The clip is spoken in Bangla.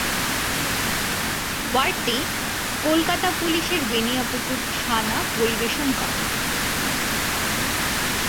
ওয়ার্ডটি কলকাতা পুলিশের বেনিয়াপুকুর থানা পরিবেশন করে।